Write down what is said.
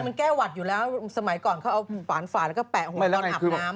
มันแก้หวัดอยู่แล้วสมัยก่อนเขาเอาฝานฝ่าแล้วก็แปะออกมาตอนอาบน้ำ